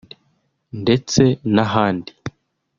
ndetse n’ahandi